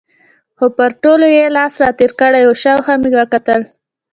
خو پر ټولو یې لاس را تېر کړی و، شاوخوا مې وکتل.